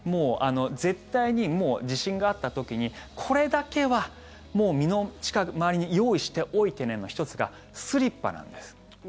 絶対に、地震があった時にこれだけは身の回りに用意しておいてねの１つがスリッパなんです。